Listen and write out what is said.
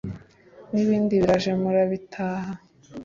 n’ibindi biraje murabitaha”